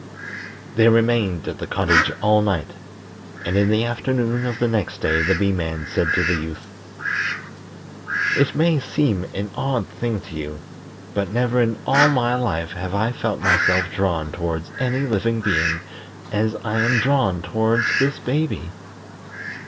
They remained at the cottage all night, and in the afternoon of the next day the Bee man said to the Youth: "It may seem an odd thing to you, but never in all my life have I felt myself drawn towards any living being as I am drawn towards this baby.